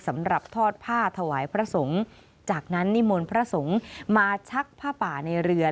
สำหรับทอดผ้าถวายพระสงฆ์จากนั้นนิมนต์พระสงฆ์มาชักผ้าป่าในเรือ